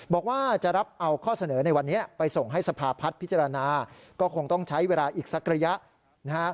บอกว่าจะรับเอาข้อเสนอในวันนี้ไปส่งให้สภาพัฒน์พิจารณาก็คงต้องใช้เวลาอีกสักระยะนะฮะ